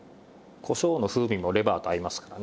こしょうの風味もレバーと合いますからね。